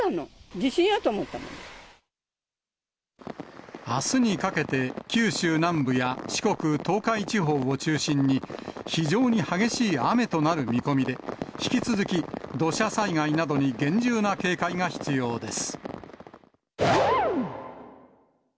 地震やと思あすにかけて九州南部や四国、東海地方を中心に、非常に激しい雨となる見込みで、引き続き土砂災害などに厳重な警戒が必要です。